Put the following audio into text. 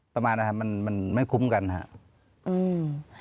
ประมาณนะครับมันไม่คุ้มกันครับ